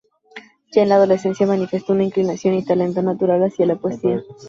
Ya en la adolescencia manifestó una inclinación y talento natural hacia la poesía.